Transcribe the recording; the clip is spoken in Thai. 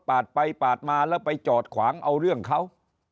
ไปปาดมาแล้วไปจอดขวางเอาเรื่องเขา